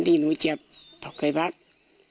ที่หนูเจบถกัยพรรดิ